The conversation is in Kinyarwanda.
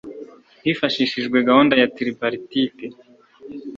hifashishijwe gahunda ya tripartite